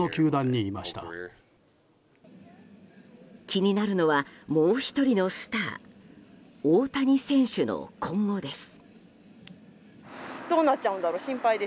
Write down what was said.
気になるのはもう１人のスター大谷選手の今後です。